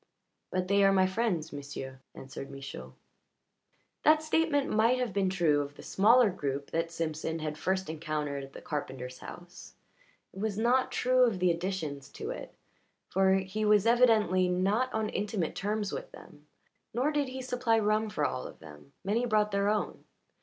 "But they are my friends, m'sieu'," answered Michaud. The statement might have been true of the smaller group that Simpson had first encountered at the carpenter's house; it was not true of the additions to it, for he was evidently not on intimate terms with them. Nor did he supply rum for all of them; many brought their own.